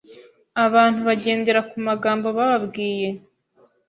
abantu bagendera ku magambo bababwiye,